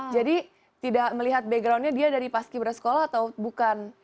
jadi tidak melihat backgroundnya dia dari pas kibra sekolah atau bukan